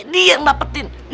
dia yang dapetin